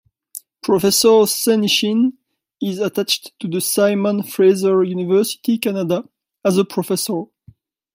Professor Senyshyn is attached to the Simon Fraser University, Canada as a Professor.